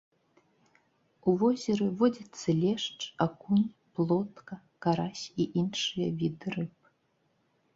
У возеры водзяцца лешч, акунь, плотка, карась і іншыя віды рыб.